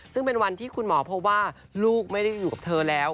ซึ่งเป็นวันที่คุณหมอพบว่าลูกไม่ได้อยู่กับเธอแล้ว